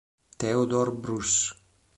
Theodore Bruce